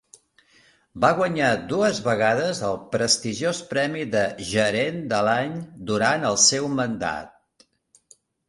Va guanyar dues vegades el prestigiós premi de Gerent de l'Any durant el seu mandat.